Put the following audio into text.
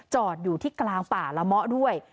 จอดอยู่ที่กลางป่าละเมาะด้วย